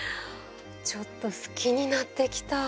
ちょっと好きになってきた。